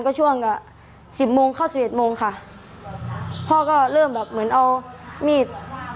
ก็ช่วง๑๐โมง๑๑โมงค่ะพ่อก็เริ่มแบบเหมือนเอามีด